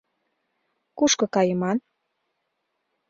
Кушко кайыман?